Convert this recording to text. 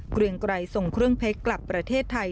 เกรียงไกรส่งเครื่องเพชรกลับประเทศไทย